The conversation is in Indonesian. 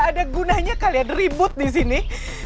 gak ada gunanya kalian ribut disini